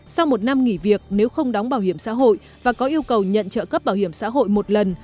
sau một năm nghỉ việc nếu không đóng bảo hiểm xã hội và có yêu cầu nhận trợ cấp bảo hiểm xã hội một lần